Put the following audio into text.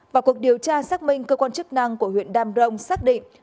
vào cuộc điều tra xác minh cơ quan chức năng của huyện đam rông xác định